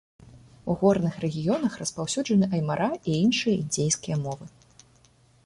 У горных рэгіёнах распаўсюджаны аймара і іншыя індзейскія мовы.